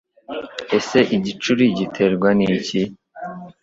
ese Igicuri giterwa n'iki